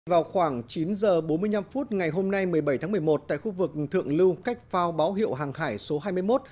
vào khoảng chín h bốn mươi năm phút ngày hôm nay một mươi bảy tháng một mươi một tại khu vực thượng lưu cách phao báo hiệu hàng hải số hai mươi một